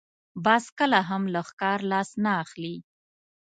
باز کله هم له ښکار لاس نه اخلي